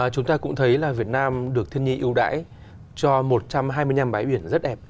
chúng ta cũng thấy là việt nam được thiên nhiên ưu đãi cho một trăm hai mươi năm bãi biển rất đẹp